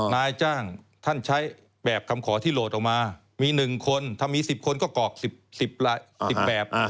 นายจ้างท่านใช้แบบคำขอที่โหลดออกมามี๑คนถ้ามี๑๐คนก็กรอก๑๐แบบ